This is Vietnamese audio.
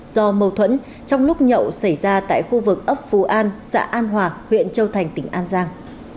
do mâu thuẫn trong lúc nhậu xảy ra tại khu vực ấp phú an xã an hòa huyện châu thành tỉnh an giang